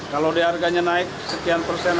kalau di harganya naik sekian persen